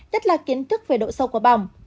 tức là kiến thức về độ sâu của bỏng